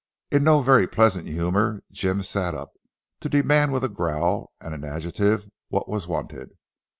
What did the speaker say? In no very pleasant humour, Jim sat up, to demand with a growl and an adjective what was wanted.